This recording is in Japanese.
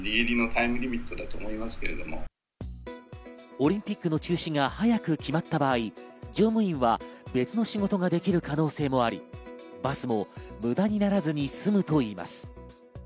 オリンピックの中止が早く決まった場合、乗務員は別の仕事ができる可能性もあり、バスも無駄にならずに済むといいます。